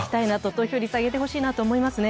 投票率上げてほしいなと思いますね。